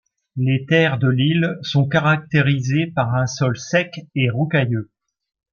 Les terres de l'île sont caractérisées par un sol sec et rocailleux.